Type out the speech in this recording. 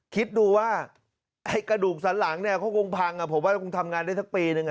คิดดูว่ากระดูกสันหลังเขากงพังผมว่าทำงานได้ทั้งปีหนึ่ง